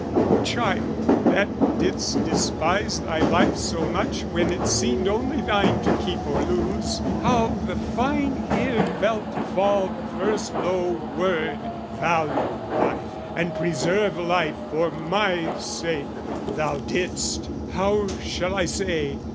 Oh child that didst despise thy life so much When it seemed only thine to keep or lose, How the fine ear felt fall the first low word "Value life, and preserve life for My sake!" Thou didst...how shall I say?...